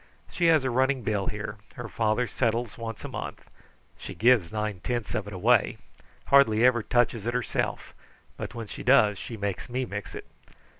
She has a running bill here. Her father settles once a month. She gives nine tenths of it away. Hardly ever touches it herself, but when she does she makes me mix it.